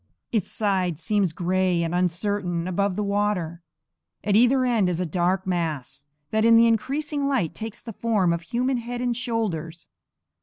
Its side seems gray and uncertain above the water; at either end is a dark mass, that in the increasing light takes the form of human head and shoulders.